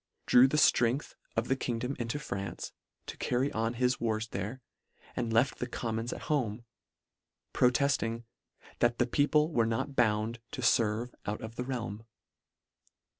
drew the ftrength of the kingdom into France, to carry on his wars there, and left the Commons at home, pro tefting, " that the people were not bound " to ferve out of the realm."